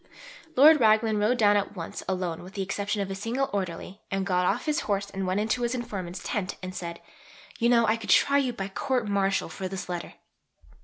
Lord Raglan rode down at once alone with the exception of a single Orderly, and got off his horse and went into his informant's tent and said, "You know I could try you by Court Martial for this letter."